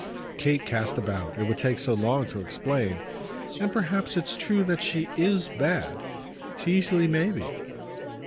Kate cast about it would take so long to explain. "And perhaps it's true that she IS bad. She easily may be."